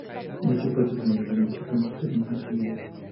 Dicho patrocinador era la importante cadena de Gigante.